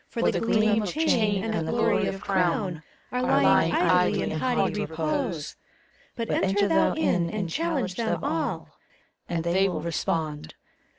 For the gleam of chain and the glory of crown ACT in. 135 Are lying idly in haughty repose : But enter thou in and challenge them all, And they will respond.